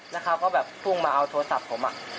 แล้วเขาก็แบบพุ่งมาเอาโทรศัพท์ผม